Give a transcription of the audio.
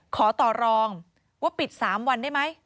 ขอต่อรองว่าปิด๓วันได้ไหม